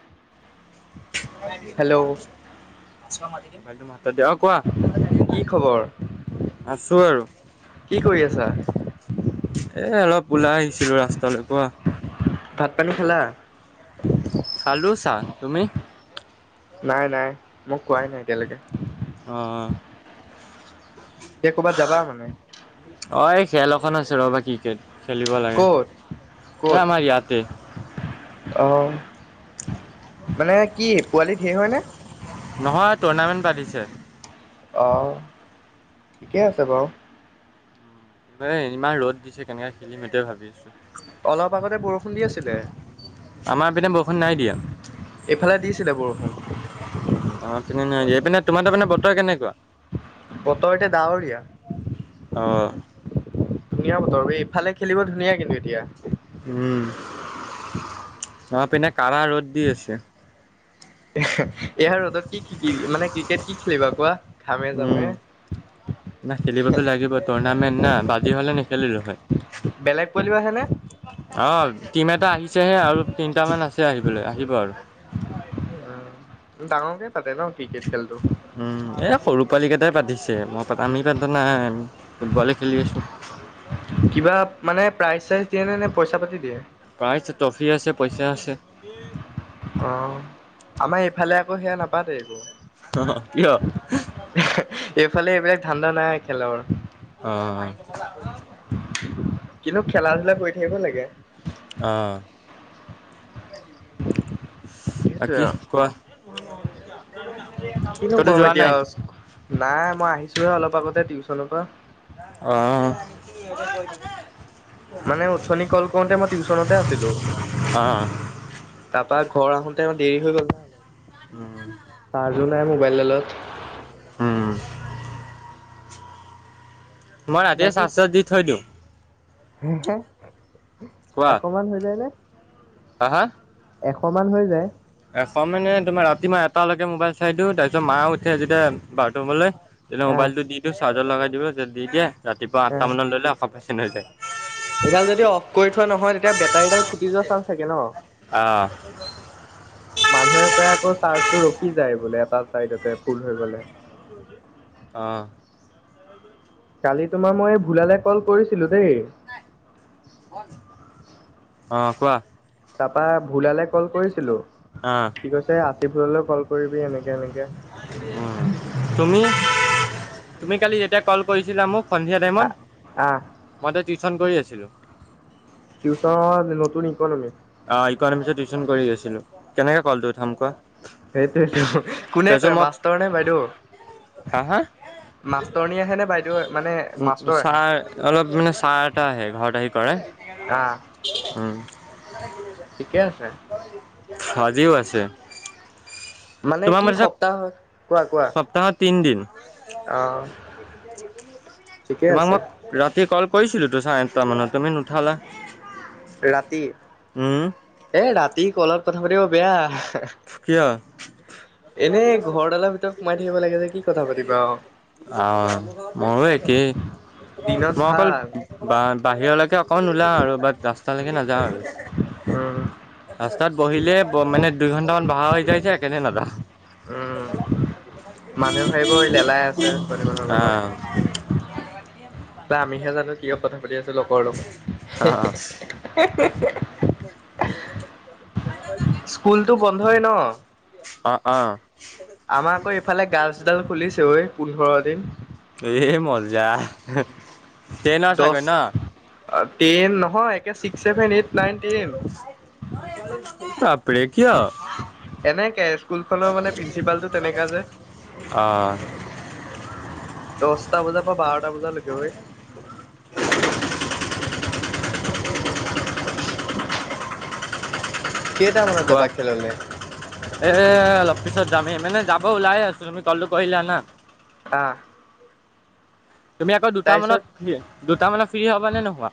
[inaudible] Hello দিয়া কোৱা কি খবৰ আছো আৰু কি কৰি আছা এহ অলপ ওলাই আহিছিলো ৰাস্তালৈ কোৱা। ভাত পানী খালা? খালো চাহ তুমি? নাই-নাই মোক কোৱাই নাই এতিয়ালৈকে। অ', এতিয়া কবাত যাবা মানে? অ', এই খেল এখন আছে ৰ'বা ক্ৰিকেট খেলিব লাগে ক'ত এহ আমাৰ ইয়াতে অ', মানে কি পোৱালি ধেৰ হয়নে নহয় টুৰ্ণামেণ্ট পাতিছে। অ', ঠিকে আছে বাৰু। এইবাৰ ইমান ৰ'দ দিছে, কেনেকে খেলিম সেইটোৱে ভাবি আছোঁ। অলপ আগতে বৰষুণ দি আছিলে। আমাৰ পিনে বৰষুণ‌ এইফালে দিছিলে বৰষুণ। অ', পিনে এইপিনে তোমাৰ তাৰ মানে বতৰ কেনেকুৱা? বতৰ এতিয়া ডাৱৰীয়াা। অ ধুনীয়া বতৰ এই ইফালে খেলিব ধুনীয়া কিন্তু এতিয়া। উম', অ', পিনে কা ৰ'দ দি আছে। এয়া ৰ'দত কি শিকিবি মানে ক্ৰিকেট কি খেলিবা কোৱা। ঘামে জামে উম না খেলিবতো লাগিব টুৰ্ণামেন্ট না বাজি হলে নেখেলিলো হয়। বেলেগ পোৱালি আহেনে? অ টিম এটা আহিছেহে আৰু তিনিটামান আছে আহিবলৈ আহিব আৰু ডাঙৰে তাতে ন ক্ৰিকেট খেলটো। এই সৰু পোৱালীকেইটাই পা্তিছে মই পাতো আমি পানা নাইি ফুটবলে খেলি আছোঁ। কিবা মানে প্ৰাইজ চাইজ দিয়ে নে নে পইচা পাতি দিয়ে? কাইছে ট্ৰফি আছে পইচা আছে। অ', আমাৰ ইফালে আকৌ সেয়া নাপাতে একো। অ', কিয়? ঠাণ্ডা নাই খেলৰ। অ। কিন্তু খেলা ধূলা কৰি থাকিব লাগে। আ সেইটোৱে কি আৰু কোৱা। কিনো ক'তো কম যোৱা এতিয়া নাই? আওচ। নাই মই আহিছোহে অলপ আগতে টিউচন পা। অ'। মানে উথনি কল কৰোতে মই টিউচনতে আছিলোঁ। অ', তাপা ঘৰ আহোতে দেৰি হৈ গ'লনা অলপ। উ। চাৰ্জো নাই মোবাইল ল-লত। উ। মই ৰাতিয়ে বাকী চা-চাচ দি থৈ দিওঁ। কোৱা এশ মান হৈ যায়নে? হা হা? এশ মান হৈ যায়। এখন মানে তোমাৰ ৰাতি মই এটালৈকে মোবাইল চাই দিওঁ, তাপিছত মা উঠে যেতিয়া বাটোমলৈ তেতিয়া আহ মোবাইলটো দি দিওঁ চাৰ্জত লগাই দিব, দি দিয়ে ৰাতিপুৱা আঠটা মানত লওঁ, এশ পাৰ্চেণ্ট হৈ যায়। এডাল যদি অফ কৰি থোৱা নহয় তেতিয়া বেটাৰীডাল ফুটি যোৱা চান্স থাকে ন? অহ। মানুহে কই আকৌ চাৰ্চটো ৰখি যায় বোলে এটা চাইডতে ফুল হৈ গ'লে। অ'। কালি তোমাৰ মই এ ভুলালে কল কৰিছিলো দেই। অ' কোৱা। তাৰপা ভুলালে কল কৰিছিলো অ'। সি কৈছে আছিফুললৈ কল কৰিবি এনেকে এনেকে। উম তুমি, তুমি কালি যেতিয়া কল কইছিলা মোক সন্ধিয়া টাইমত, আহ আহ মই তে টিউচন কৰি আছিলোঁ। টিউচন নতুন ইকনমি। অ' ইকনমিক্সৰ টিউচন কৰি আছিলোঁ। কেনেকে ক'লটো উঠাম কোৱা। সেইটোৱেটো কোনে তাৰপিছত কৰে মই মাষ্টৰ নে বাইদৰ? হা হা? নে বাইদেউ মানে উ, উ মাষ্টৰ আহে? চাৰ, অলপ মানে চাৰ এটা আহে ঘৰত আহি কৰে। আ। উম। আছে। আজিও আছে। মানে তোমাক কি মাতিছে সপ্তাহ হয়। কোৱা কোৱা? সপ্তাহত তিনদিন। অ ঠিকে তোমাক আছে। মই ৰাতি ক'ল কৰিছিলো তো চাই আঠটা মানত তুমি নুঠালা। ৰাতি উম এ ৰাতি কলত কথা পাতিব বেয়া উফ কিও এনেই ঘৰডালৰ ভিতৰত সোমাই থাকিব লাগে যে কি কথা পাতিবা আও অ মোৰ মই দিনত অকল ভাল বাহিৰলৈকে অ কন ওলাও আৰু বাট ৰাস্তালৈকে নাযাওঁ আৰু উম ৰাস্তাত বহিলে মানে দুই ঘণ্টামান বহা হৈ যাইযে সেইকানে নাযাওঁ উম মানুহে ভাবিব আহ ত আমিহে জানো কিয় কথা চলি আছে লগৰ লগত হেহে অ', অ', হে স্কুলটো বন্ধই ন অ অ আমাৰ আকৌ এইফালে গাৰ্লছডাল খুলিছে ঐ পোন্ধৰ দিন এ মজ্জা তেনৰ চাগে ন টেইন নহয় একে six seven eight nine ten [unintelligible] এ কিয় এনেকে স্কুল খনৰ মানে প্ৰিন্ঞ্চিপাল টো তেনেকা যে অ', দশটা বজাৰ পৰা বাৰটা বজা লৈকে অই [inaudible] কোৱা যাবা খেললে এ অলপ পিছত যামেই মানে যাব ওলাই আছো তুমি কলটো কৰিলা না আহ তুমি আকৌ দুটা মানত তাৰপিছত দুটা মানত ফ্ৰী হবা নে নোহোৱা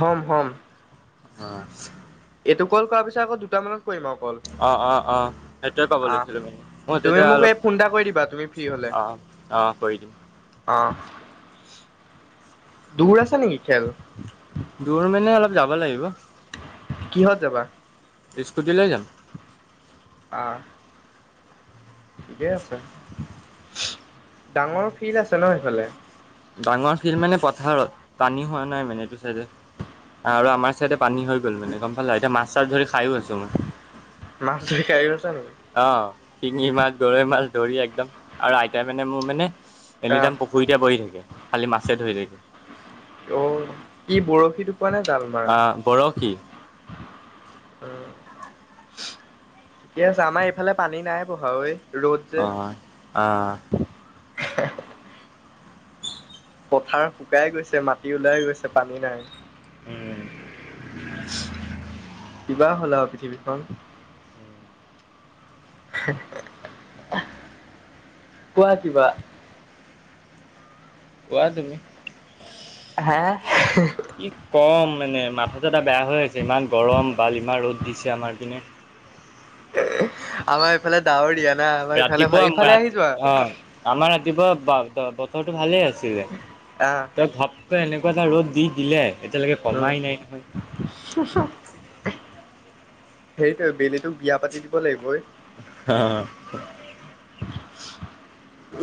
হম হম অ এইটো কল কৰাৰ পিছত আকৌ দুটা মানত কৰিব কল। অ', অ', অ', সেইটোৱে ক'ব লৈছিলো মানে আহ তুমি মোক এই ফোন এটা কৰি দিবা তুমি ফ্ৰী হলে অঁ অঁ কৰি দিম আহ দূৰ আছে নেকি খেল দূৰ মানে অলপ যাব লাগিব কিহত যাবা? স্কুটি লৈ যাম। আহ ঠিকেই আছে, ডাঙৰ ফিল্ড আছে ন সফালে? ডাঙৰ ফিল্ড মানে পথাৰত পানী হোৱা নাই মানে এইটো চাইডে আৰু আমাৰ চাইডে পানী হৈ গ'ল মানে গম পালা এতিয়া মাছ -চাছ ধৰি খাইো আছো মই মাছ ধৰি খাই ও অ শিঙি মাছ, গৰৈ মাছ, ধৰি একদম আৰু আইতাই মানে মোৰ মানে এনি আহ, টাইম পুখুৰীতে বহি থাকে, খালি মাছে ধৰি থাকে। অ কি বৰশীটো অ বৰশী উ ঠিকে আছে আমাৰ এইফালে পানী নাই বহা ঐ ৰ'দ অ যে। আহ আহ আহ [unintelligible] পথাৰ শুকাই গৈছে, মাটি ওলাই গৈছে পানী নাই। উম্ কিবা হ'ল আৰু পৃথিৱীখন [unintelligible] কোৱা কিবা কোৱা তুমি হা কি কম মানে মাথাটো এটা বেয়া হৈ আছে ইমান গৰম বাল ইমান ৰ'দ দিছে আমাৰ পিনে আমাৰ এইফালে ডাৱৰীয়া না আমাৰ এইফালে ভাল, ৰাতিপুৱা এইফালে পোৱা আহি যোৱা। অ, আমাৰ ৰাতিপুৱা ৰটো ভালে আছিলে আহ, তই ভপকৈ এনেকুৱা এটা ৰ'দ দি দিলে এতিয়ালৈকে কমাই নাই অহ', সেইটো বেলিতোক বিয়া পাতি দিব লাগিবই হ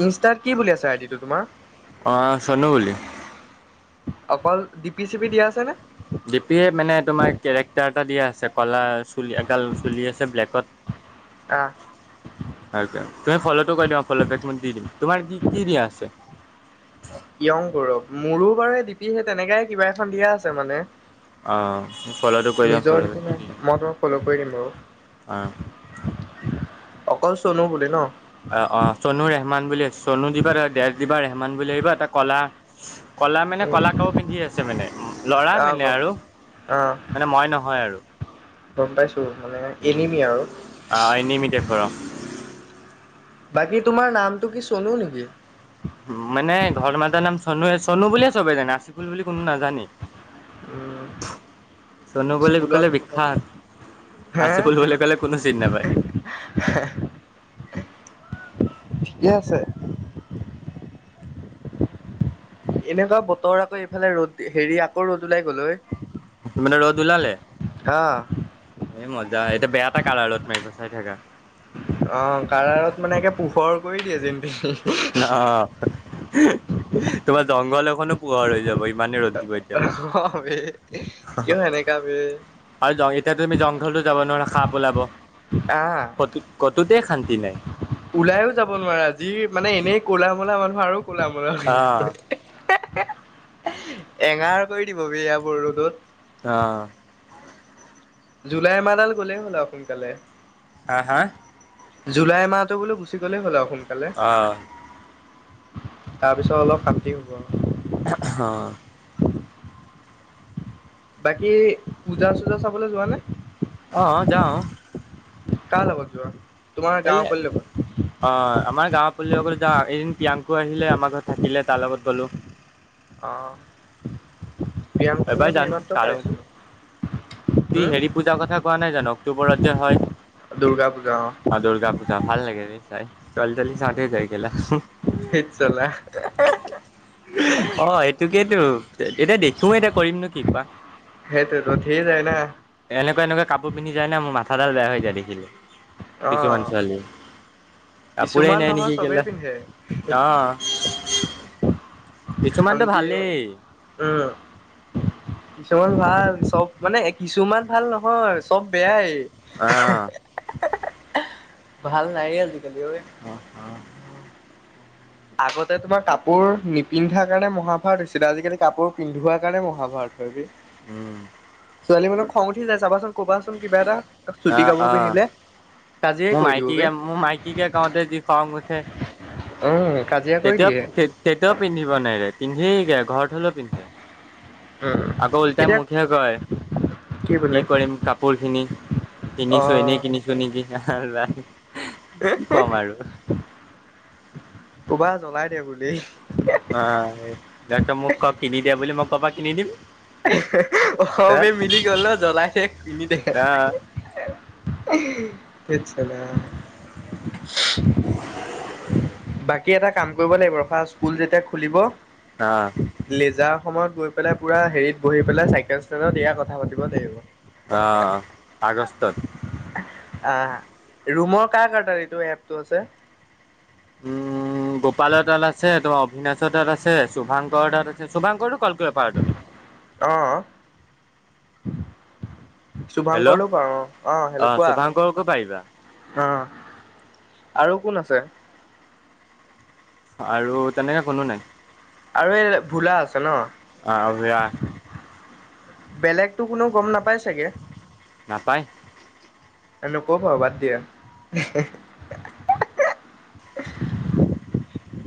ইনষ্টাত কি বুলি আছে আইডটো তোমাৰ অ চনু বুলি অকল ডি পি চি পি দিয়া আছে নে? ডিপিয়ে মানে তোমাৰ কেৰেক্টাৰ এটা দিয়া আছে কলা চুলি এগাল চুলি আছে ব্লেকত আহ [inaudible] তুমি ফ'ল'টো কৈ দিয়া ফল' বেক ম দি দিম তোমাৰ কি কি দিয়া আছে? য়ং গৌৰৱ, মোৰো বাৰু দীপি সেই তেনেকাই কিবা এখন দিয়া আছে মানে অঁ ফল'টো কৰি দিম ফল' নিজৰ মই তোমাক ফল' কৰি দিম বাৰু অ', অকল চনু বুলি ন? অ - অ চনুৱে মান বুলি চনু দিবা দেজ দিবা ৰেহমান বুলি আহিবা এটা কলা- কলা মানে উম কলা কাপোৰ পিন্ধি আছে মানে ল'ৰা আহ মানে গম আৰু আহ মানে মই নহয় আৰু গম পাইছো মানে এলিমি আৰু অঁ এনিমি টাইপৰ বাকী তোমাৰ নামটো কি চনু নেকি? মানে ঘৰ মাত নাম চনুএ চনু বুলিয়ে চবে জানে আচিফুল বুলি কোনো নাজানে উম চনু বুলি স্কুলত কলে বিখ্যাত। হে আচিফুল বুলি ক 'লে কোনো চিন নাপায় ঠিকে আছে। এনেকুৱা বতৰ আকৌ এইফালে ৰ'দ হেৰি আকৌ ৰ'দ ওলাই গ'ল ঐ ত মানে ৰ'দ ওলালে আহ এই মজা, এতিয়া বেয়া পাই কালা ৰ'দ মাৰিব চাই থাকা। অ, কাৰা ৰ'দ মানে একে পোহৰ কৰি দিয়ে যেন পিহি অ, তোমাৰ জংঘল এখনো পোহৰ হৈ যাব ইমানেই ৰ'দ। দিব এতিয়া হয় বে, কিয় এনেকুৱা বে। আৰু এতিয়া তুমি জংঘলতো যাব নোৱাৰা সাপ ওলাব। আহ, কতো কতোতে শান্তি নাই ওলাইও যাব নোৱাৰা যি মানে এনেই ক'লা মূলা মানুহ আৰু ক'লা মূলা হৈ অ যাম। এঙাৰ কৰি দিব বি এইয়া বোৰ ৰ'দত। আহ। জুলাই মাহ ডাল গ'লে হ'ল সোনকালে। হা - হা। জুলাই মাহটো বো গুচি গ'লে হ'ল সোণ অহ ', তাৰপিছত অলপ শান্তি হ'ব আৰু। হ। বাকী পূজা চূজা চাবলৈ যোৱা নে? অহ, যাও। কাৰ লগত যোৱা? তোমাৰ গাঁৱৰ পোৱালি লগত অ, আমাৰ গাও পোৱালী বিলাকৰ লগত যাও। এদিন প্ৰিয়াংকু আহিলে আমাৰ ঘৰত থাকিলে। তাৰ লগত গ'লো। অ', প্ৰিয়াংকুৰ এই বাৰ লগত জানো এইমাত্ৰ কাৰ লগত যাও। পাইছিলোঁ তুই হম হেৰি পূজাৰ কথা কোৱা নাই জানো, অক্টোবৰত যে হয়? দুৰ্গা পূজা অ, দুৰ্গা পূজা ভাল লাগে দে চাই। ছোৱালী টোৱালি চাওতেই যায় কেলা। ধেত চালা অ, সেইটোকেটো। এতিয়া দেখিও এতিয়া কৰিম নো কি কোৱা। সেইটোতো ধেৰ যায় না এনেকুৱা এনেকুৱা কাপোৰ কাপোৰ পিন্ধি যায় না মোৰ মাথাডাল বেয়া হৈ যায় দেখিলে, অ কিছুমান ছোৱালীয়ে। কাপোৰ এ কিছুমান নাই নহয় নেকি চবেই কেলা। পিন্ধে অ কিছুমানতো শান্তিয়ে ভালেই উম। কিছুমান ভাল চব মানে কিছুমান ভাল নহয়, চব বেয়াই। আহ। ভাল নাইয়েই। আজি অ, অ। আগতে তোমাৰ কাপোৰ নিপিন্ধাৰ কাৰণে মহাভাৰত হৈছিলে, আজিকালি কাপোৰ পিন্ধোৱাৰ কাৰণে মহাভাৰত হয় গে। উম। ছোৱালী মানুহৰ খং উঠি যায়। চাবাচোন ক'বাচোন কিবা এটা অ চুটি কাপোৰ অ পিন্ধিলে। কাজিয়াই মোৰ কৰি দিব বে মাইকীকে, মোৰ মাইকীকে কওঁতে যি খং উঠে। উম কাজিয়া কৰি তেতিয়াও, দিয়ে তেতিয়াও পিন্ধিব নেৰে। পিন্ধেই ঘৰত হলেও পিন্ধে। উম আকৌ উলটাই এতিয়া মোক হে কয় কি কৰিম কাপোৰ খিনি, অ কিনিছো এনেই কিনিছো নেকি। আল বাল কি কম আৰু ক'বা জ্বলাই দে বুলি। অ, তাৰপিছত মোক ক'ব কিনি দে বুলি, মই ক'ৰপৰা কিনি দিম? অ', সবে মিলি গ'ল ন জ্বলাই দে, কিনি দে। ধেৎ চালা বাকী এটা কাম কৰিব লাগিব। ফাষ্ট স্কুল যেতিয়া খুলিব অ', লেজাৰ সময়ত গৈ পেলাই পুৰা হেৰিত বহি পেলাই চাইকেল ষ্টেডত এ কথা পাতিব লাগিব। অ, আগষ্টত। আহ, ৰুমৰ কাৰ কাৰ তাত এইটো এপটো আছে? উম', গোপালৰ দাল আছে, তোমাৰ অভিনাচৰ তাত আছে শুভাংকৰ তাত আছে, শুভাংকৰটো কল কৰিব পাৰা তুমি। অ হেল্ল' শুভাংকৰটো পা [unintelligible] ৰো অ', অ', হেল্ল' শুভাংকৰকো পাৰিবা কোৱা। অ', আৰু কোন আছে? আৰু তেনেকে কোনো নাই। আৰু এই ভোলা আছে ন। অ বেলেগতো কোনো গম নাপাই চাগে। নাপায়। এ', নকউ আৰু বাদ দিয়া।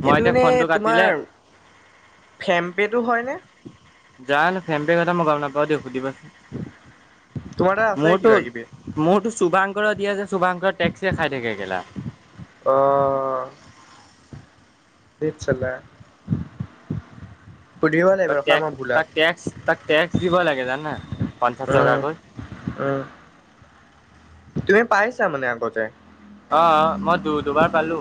মই এইটো এতিয়া এনে ফোনটো কাটিলে তোমাৰ ফেম্পেটো হয় নে? যানো ফেম্পে কথা মই গম নাপাওঁ হয় দিয়ক সুধিবাচোন, তোমাৰ তাত আছে মোৰতো কিবা কিবি মোৰতো চুভাং দিয়ে শুভাংশ টেক্স খাই থাকে অ', ধেত চালা। সুধিব লাগিব তাক ৰখা টেক্স, মই ভোলাক তাক টেক্স, তাক টেক্স দিব লাগে জানা পঞ্চাশ উম টকাকৈ। উম', তুমি পাইছা মনে আগতে। অ', মই দু দুবাৰ পালো।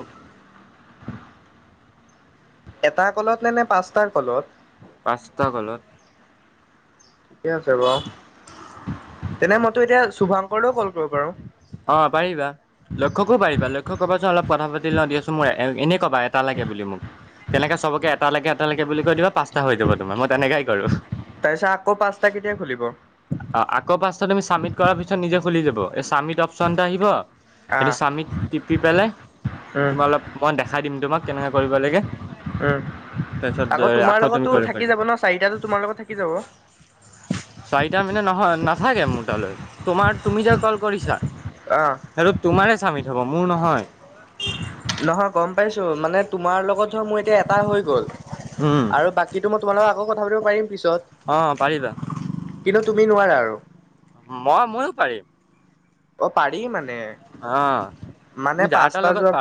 এটা কলত নে নে পাঁচটাৰ কলত। পাঁচটা কলত। ঠিকে আছে বাৰু, তেনে মইতো এতিয়া শুভাংকৰলৈও কল কৰিব পাৰোঁ। অ', পাৰিবা লক্ষ্যকো পাৰিবা। লক্ষক কবা চোন অলপ কথা পাতি লও দিয়াছোন মোৰ এনে কবা এটা লাগে বুলি মোক। তেনেকে চবকে এটা লগে এটা লগে বুলি কৈ দিবা পাঁচটা হৈ যাব তোমাৰ মই তেনেকাই কৰো। তাপিছত আকৌ পাঁচটা কেতিয়া খুলিব? চামিট কৰাৰ পিছত নিজে খুলি যাব। এই চামিট অপশ্যন এটা আহিব। হেটো আহ চামিক টিপি পেলাই উম কিবা অলপ মই দেখাই দিম তোমাক কেনেকে কৰিব লাগে। উম তাৰপিছত আকৌ তোমাৰ তুমি লগতো কৰিব থাকি পাৰিবা। যাব ন, চাৰিটাতো তোমাৰ লগত থাকি যাব। চাৰিটা মানে নহয়। নাথাকে মোৰ তালৈ তোমাৰ, তুমি যে ক'ল কৰিছা, সেতো তোমাৰে চামি হ'ব, মোৰ নহয়। নহয় গম পাইছোঁ মানে তোমাৰ লগত ধৰ মোৰ এতিয়া এটা হৈ গ'ল। উম, আৰু বাকীতো মই তোমালগ আকৌ কথা পাতিব পাৰিম। পিছত অ' পাৰিবা। কিন্তু তুমি নোৱাৰা আৰু। মই, ময়ো পাৰিম। অ' পাৰি মানে, অ'। তুমি মানে যাৰ তাৰ পাঁচটা লগত যোৱা